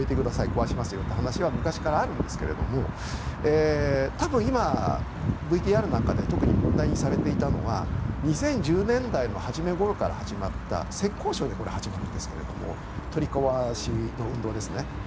壊しますよという話は昔からあるんですが多分、今、ＶＴＲなんかで特に問題にされていたのは２０１０年代の初めごろから始まった浙江省で始まるんですが取り壊しの運動ですね。